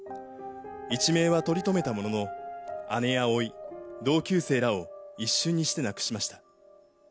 一命は取り留めたものの、姉やおい、同級生らを一瞬にして亡くしました。